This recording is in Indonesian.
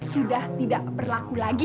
sudah tidak berlaku lagi